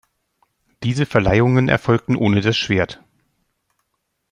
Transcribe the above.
Diese Verleihungen erfolgten ohne das Schwert.